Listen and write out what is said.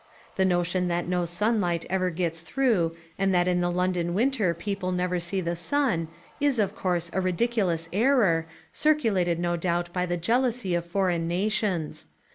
The notion that no sunlight ever gets through and that in the London winter people never see the sun is of course a ridiculous error, circulated no doubt by the jealousy of foreign nations.